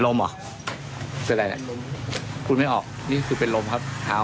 แล้วทำไมต้องทำอ่ะ